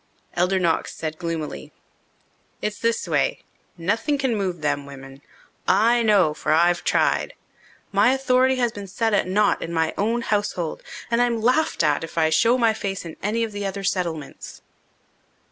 Elder Knox said gloomily, "It's this way. Nothing can move them women. I know, for I've tried. My authority has been set at naught in my own household. And I'm laughed at if I show my face in any of the other settlements."